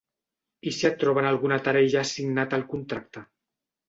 I si et troben alguna tara i ja has signat el contracte?